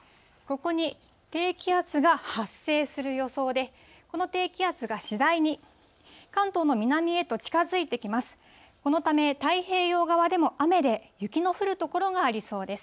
ここに低気圧が発生する予想で、この低気圧が次第に関東の南へと近づいてきます。